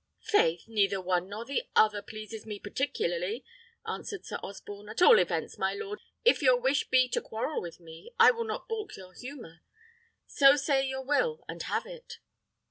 "Faith! neither one nor the other pleases me particularly," answered Sir Osborne. "At all events, my lord, if your wish be to quarrel with me, I will not balk your humour. So say your will, and have it."